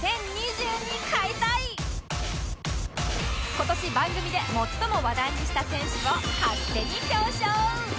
今年番組で最も話題にした選手を勝手に表彰